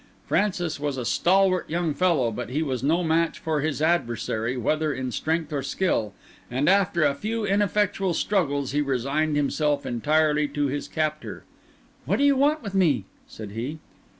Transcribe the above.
Francis was a stalwart young fellow; but he was no match for his adversary whether in strength or skill; and after a few ineffectual struggles he resigned himself entirely to his captor. "What do you want with me?" said he.